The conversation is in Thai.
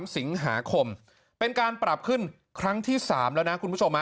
๓สิงหาคมเป็นการปรับขึ้นครั้งที่๓แล้วนะคุณผู้ชม